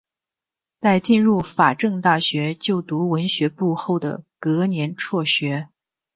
在进入法政大学就读文学部后的隔年辍学。